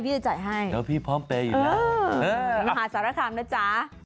เดี๋ยวพี่พร้อมไปอยู่แล้วพาสารคำนะจ๊ะ